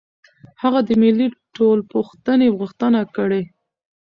هغه د ملي ټولپوښتنې غوښتنه کړې.